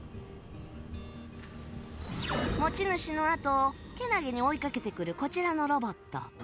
持ち主のあとをけなげに追いかけてくるこちらのロボット